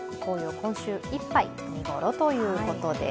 今週いっぱい見頃ということです。